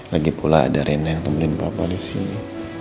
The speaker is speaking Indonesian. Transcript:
lagipula ada rina yang temenin papa disini